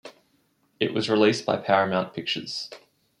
It was released by Paramount Pictures.